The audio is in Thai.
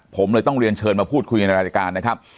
ผมเลยต้องเรียนเชิญมาพูดคุยกันในรายการนะครับ